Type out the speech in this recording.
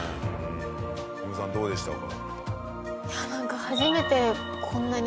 丹生さんどうでしたか？